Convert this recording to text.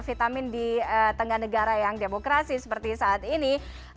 vitamin di tengah negara yang demokrasi seperti saat ini